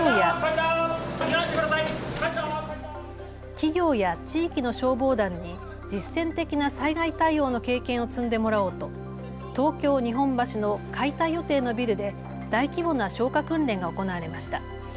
企業や地域の消防団に実戦的な災害対応の経験を積んでもらおうと東京日本橋の解体予定のビルで大規模な消火訓練が行われました。